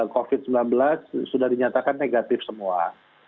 covid sembilan belas sudah dinyatakan negatif semua